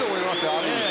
ある意味。